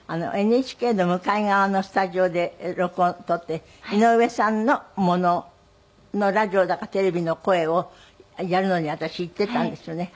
ＮＨＫの向かい側のスタジオで録音録って井上さんのもののラジオだかテレビの声をやるのに私行っていたんですよね。